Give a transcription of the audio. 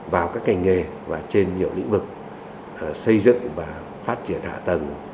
vào các ngành nghề và trên nhiều lĩnh vực xây dựng và phát triển hạ tầng